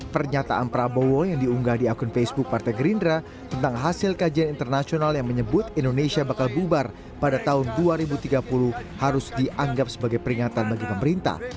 pernyataan prabowo yang diunggah di akun facebook partai gerindra tentang hasil kajian internasional yang menyebut indonesia bakal bubar pada tahun dua ribu tiga puluh harus dianggap sebagai peringatan bagi pemerintah